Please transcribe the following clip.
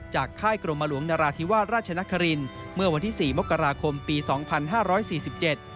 ค่ายกรมหลวงนราธิวาสราชนครินเมื่อวันที่สี่มกราคมปีสองพันห้าร้อยสี่สิบเจ็ด